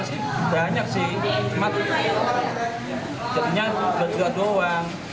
saya ingin menyatakan bahwa